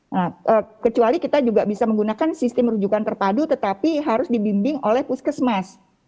nah kecuali kita juga bisa menggunakan sistem rujukan terpadu tetapi harus dibimbing oleh puskesmas